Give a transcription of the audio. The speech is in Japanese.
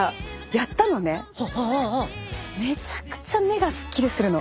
めちゃくちゃ目がスッキリするの。